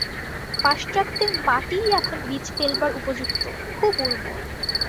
পাশ্চাত্যের মাটিই এখন বীজ ফেলবার উপযুক্ত, খুব উর্বর।